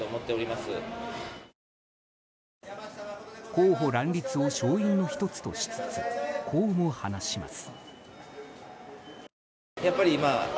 候補乱立を勝因の１つとしつつこうも話します。